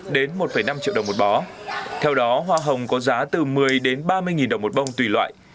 đến một năm triệu đồng một bó theo đó hoa hồng có giá từ một mươi ba mươi nghìn đồng một bông tùy loại